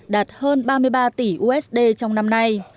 đạt hơn ba mươi ba tỷ usd trong năm nay